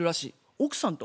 奥さんと？